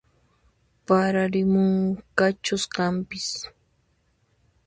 Pararimunqachus kanpis